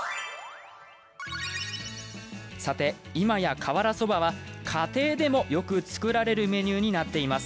さて、今や瓦そばは家庭でもよく作られるメニューになっています。